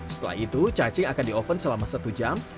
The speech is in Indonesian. setelah itu cacing akan di oven selama satu jam